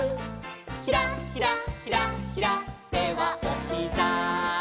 「ひらひらひらひら」「手はおひざ」